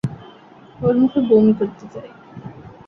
ওর মুখে বমি করতে চাই!